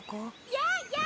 ・やあやあ！